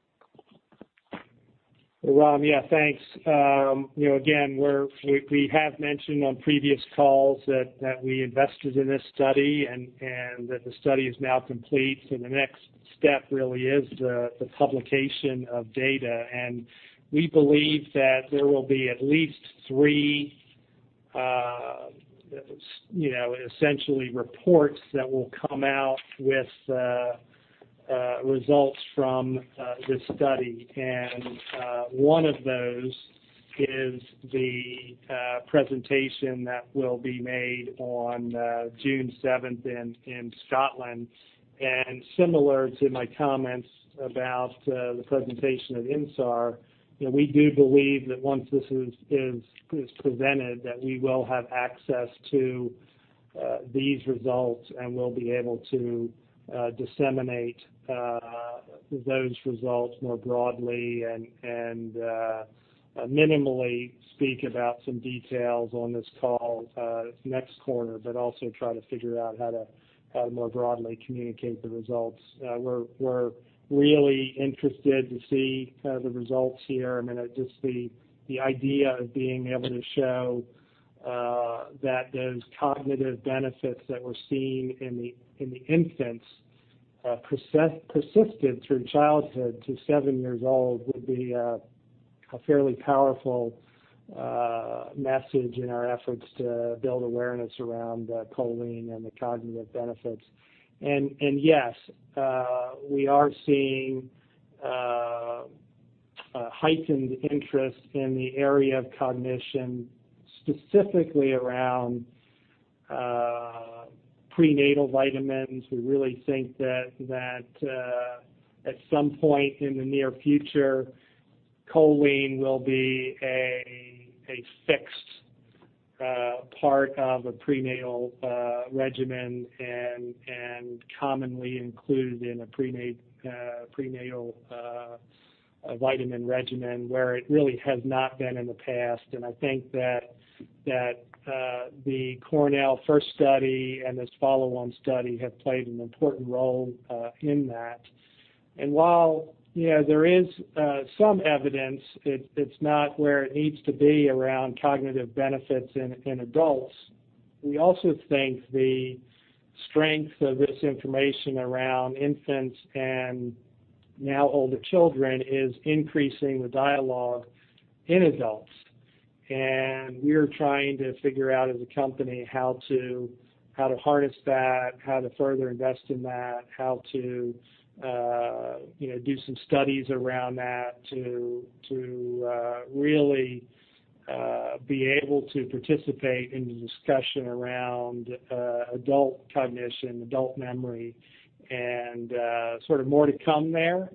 Ram, thanks. We have mentioned on previous calls that we invested in this study and that the study is now complete. The next step really is the publication of data. We believe that there will be at least three, essentially reports that will come out with results from this study. One of those is the presentation that will be made on June 7th in Scotland. Similar to my comments about the presentation at INSAR, we do believe that once this is presented, that we will have access to these results, and we'll be able to disseminate those results more broadly and minimally speak about some details on this call next quarter, but also try to figure out how to more broadly communicate the results. We're really interested to see the results here. Just the idea of being able to show that those cognitive benefits that we're seeing in the infants persisted through childhood to seven years old would be a fairly powerful message in our efforts to build awareness around choline and the cognitive benefits. Yes, we are seeing a heightened interest in the area of cognition, specifically around prenatal vitamins. We really think that at some point in the near future, choline will be a fixed part of a prenatal regimen and commonly included in a prenatal vitamin regimen where it really has not been in the past. I think that the Cornell first study and this follow-on study have played an important role in that. While there is some evidence, it's not where it needs to be around cognitive benefits in adults. We also think the strength of this information around infants and now older children is increasing the dialogue in adults. We're trying to figure out as a company how to harness that, how to further invest in that, how to do some studies around that to really be able to participate in the discussion around adult cognition, adult memory, and more to come there.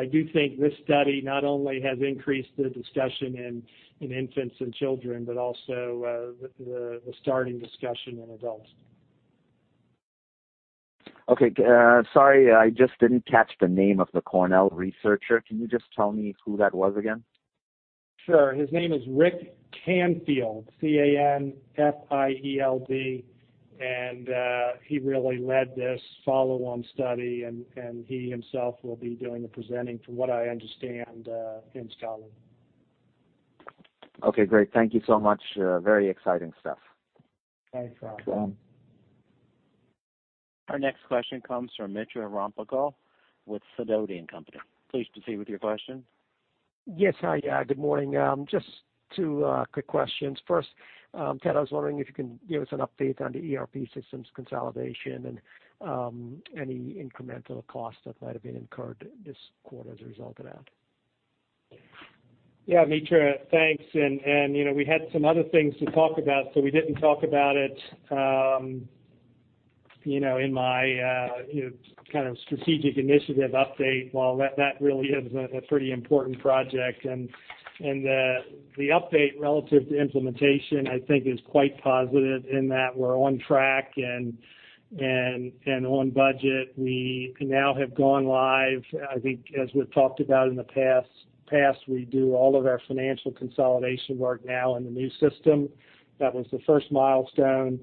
I do think this study not only has increased the discussion in infants and children, but also the starting discussion in adults. Okay. Sorry, I just didn't catch the name of the Cornell researcher. Can you just tell me who that was again? Sure. His name is Richard Canfield, C-A-N-F-I-E-L-D, and he really led this follow-on study, and he himself will be doing the presenting, from what I understand, in Scotland. Okay, great. Thank you so much. Very exciting stuff. Thanks, Ram. Our next question comes from Mitra Ramgopal with Sidoti & Company. Pleased to proceed with your question. Yes, hi. Good morning. Just two quick questions. First, Ted, I was wondering if you can give us an update on the ERP systems consolidation and any incremental cost that might have been incurred this quarter as a result of that. Yeah, Mitra. Thanks. We had some other things to talk about, so we didn't talk about it in my strategic initiative update, while that really is a pretty important project. The update relative to implementation, I think, is quite positive in that we're on track and on budget. We now have gone live. I think as we've talked about in the past, we do all of our financial consolidation work now in the new system. That was the first milestone.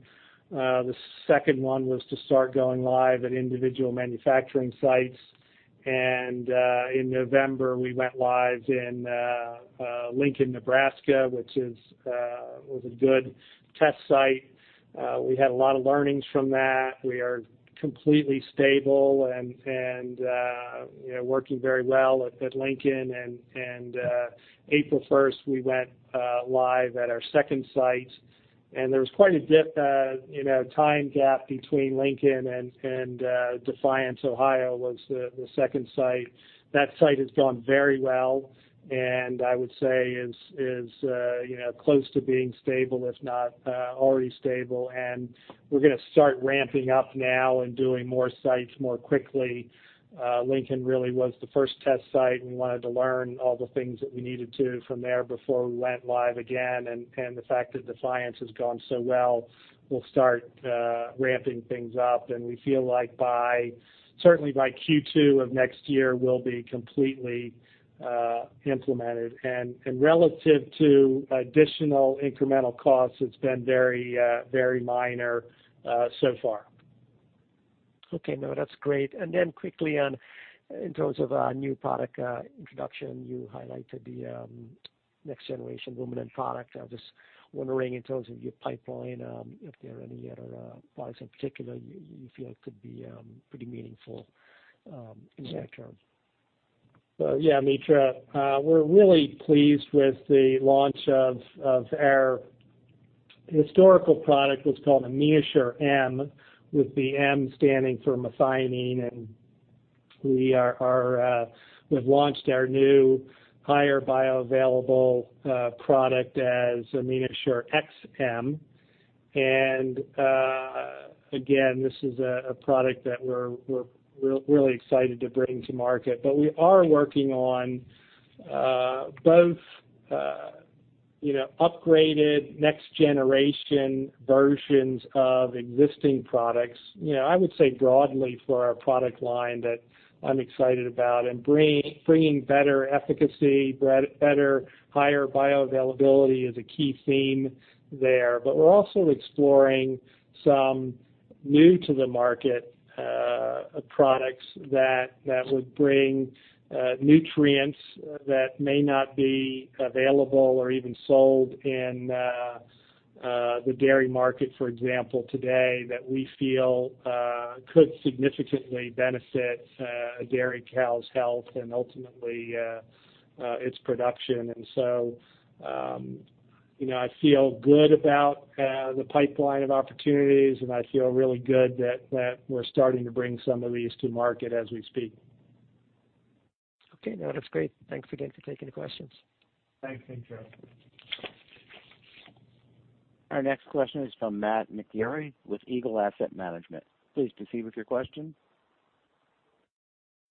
The second one was to start going live at individual manufacturing sites. In November, we went live in Lincoln, Nebraska, which was a good test site. We had a lot of learnings from that. We are completely stable and working very well at Lincoln. April 1st, we went live at our second site, and there was quite a time gap between Lincoln and Defiance, Ohio, was the second site. That site has gone very well, and I would say is close to being stable, if not already stable. We're going to start ramping up now and doing more sites more quickly. Lincoln really was the first test site, and we wanted to learn all the things that we needed to from there before we went live again. The fact that Defiance has gone so well, we'll start ramping things up, and we feel like certainly by Q2 of next year, we'll be completely implemented. Relative to additional incremental costs, it's been very minor so far. Okay, no, that's great. Quickly on in terms of new product introduction, you highlighted the next generation ruminant product. I was just wondering in terms of your pipeline, if there are any other products in particular you feel could be pretty meaningful in that term. Yeah, Mitra. We're really pleased with the launch of our historical product, what's called AminoShure-M, with the M standing for methionine. We've launched our new higher bioavailable product as AminoShure-XM. Again, this is a product that we're really excited to bring to market. We are working on both upgraded next generation versions of existing products. I would say broadly for our product line that I'm excited about and bringing better efficacy, better higher bioavailability is a key theme there. We're also exploring some new-to-the-market products that would bring nutrients that may not be available or even sold in the dairy market, for example, today, that we feel could significantly benefit a dairy cow's health and ultimately its production. I feel good about the pipeline of opportunities, and I feel really good that we're starting to bring some of these to market as we speak. Okay, no, that's great. Thanks again for taking the questions. Thanks, Mitra. Our next question is from Matthew McGeary with Eagle Asset Management. Please proceed with your question.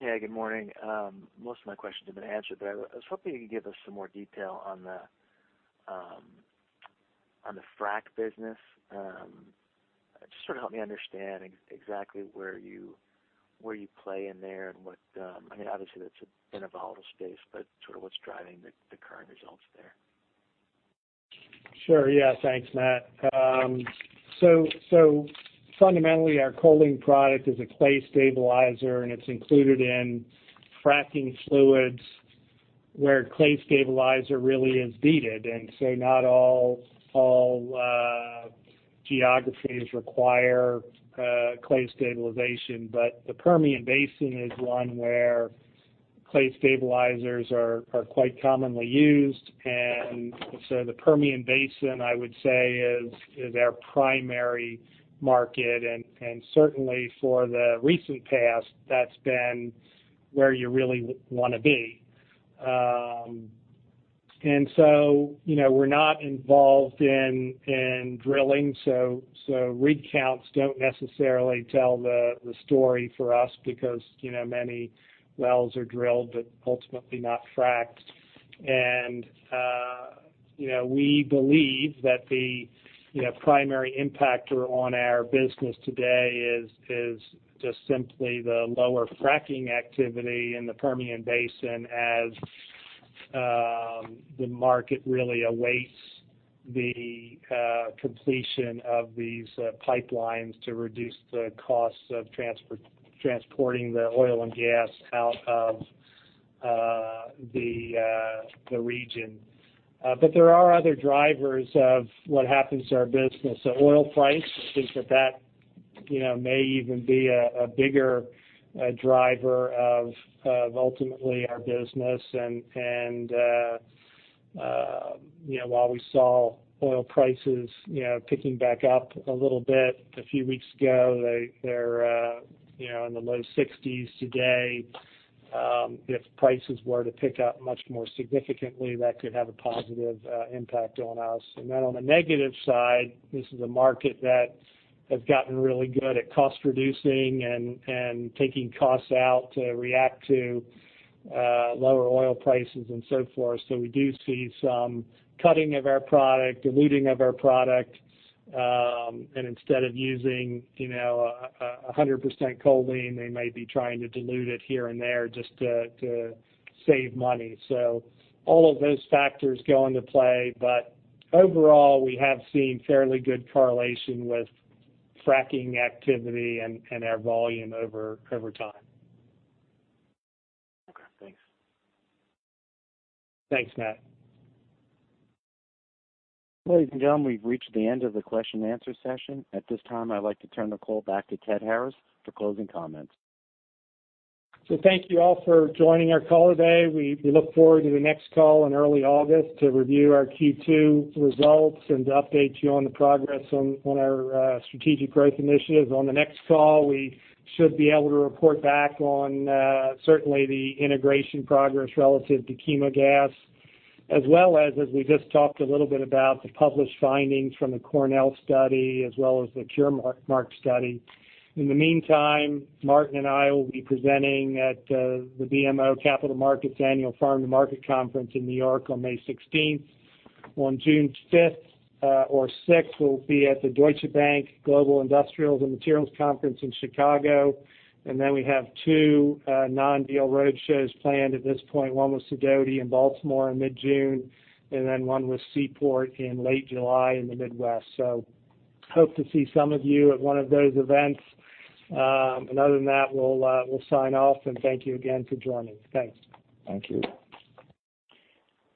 Hey, good morning. Most of my questions have been answered, but I was hoping you could give us some more detail on the frack business. Just sort of help me understand exactly where you play in there and obviously that's in a volatile space, but sort of what's driving the current results there. Sure, yeah. Thanks, Matt. Fundamentally our choline product is a clay stabilizer, and it's included in fracking fluids where clay stabilizer really is needed. Not all geographies require clay stabilization, but the Permian Basin is one where clay stabilizers are quite commonly used. The Permian Basin, I would say, is our primary market, and certainly for the recent past, that's been where you really want to be. We're not involved in drilling, so rig counts don't necessarily tell the story for us because many wells are drilled, but ultimately not fracked. We believe that the primary impactor on our business today is just simply the lower fracking activity in the Permian Basin as the market really awaits the completion of these pipelines to reduce the costs of transporting the oil and gas out of the region. There are other drivers of what happens to our business. Oil price, I think that may even be a bigger driver of ultimately our business. While we saw oil prices picking back up a little bit a few weeks ago, they're in the low 60s today. If prices were to pick up much more significantly, that could have a positive impact on us. On the negative side, this is a market that has gotten really good at cost reducing and taking costs out to react to lower oil prices and so forth. We do see some cutting of our product, diluting of our product. Instead of using 100% choline, they may be trying to dilute it here and there just to save money. All of those factors go into play. Overall, we have seen fairly good correlation with fracking activity and our volume over time. Okay, thanks. Thanks, Matt. Ladies and gentlemen, we've reached the end of the question and answer session. At this time, I'd like to turn the call back to Ted Harris for closing comments. Thank you all for joining our call today. We look forward to the next call in early August to review our Q2 results and to update you on the progress on our strategic growth initiatives. On the next call, we should be able to report back on certainly the integration progress relative to Chemogas, as well as we just talked a little bit about, the published findings from the Cornell study as well as the Curemark study. In the meantime, Martin and I will be presenting at the BMO Capital Markets Annual Farm to Market Conference in New York on May 16th. On June 5th or 6th, we'll be at the Deutsche Bank Global Industrials and Materials Conference in Chicago. We have two non-deal roadshows planned at this point, one with Sidoti in Baltimore in mid-June, and one with Seaport in late July in the Midwest. Hope to see some of you at one of those events. Other than that, we'll sign off and thank you again for joining. Thanks. Thank you.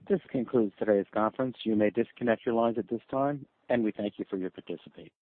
This concludes today's conference. You may disconnect your lines at this time, and we thank you for your participation.